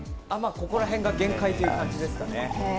ここら辺が限界ということですかね。